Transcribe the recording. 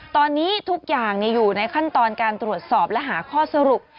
ตอนนี้ทุกอย่างอยู่ในขั้นตอนการตรวจสอบและหาข้อสรุป